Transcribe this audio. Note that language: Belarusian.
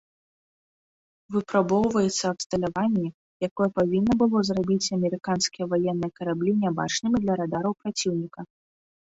Выпрабоўваецца абсталяванне, якое павінна было зрабіць амерыканскія ваенныя караблі нябачнымі для радараў праціўніка.